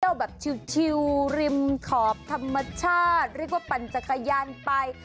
แบบชิลริมขอบธรรมชาติเรียกว่าปั่นจักรยานไป